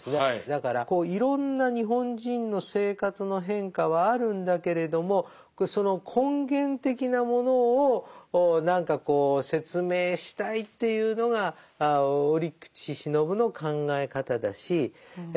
だからいろんな日本人の生活の変化はあるんだけれどもその根源的なものを何かこう説明したいっていうのが折口信夫の考え方だしあ